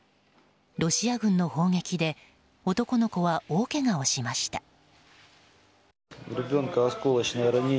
ロシア軍の砲撃で男の子は大けがをしました。